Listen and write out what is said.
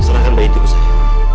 masalahkan bayi ibu saya